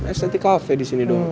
estetik cafe di sini doang